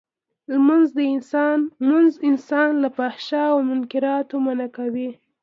لمونځ انسان له فحشا او منکراتو منعه کوی.